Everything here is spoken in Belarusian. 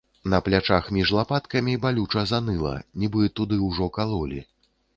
На плячах, між лапаткамі, балюча заныла, нібы туды ўжо калолі.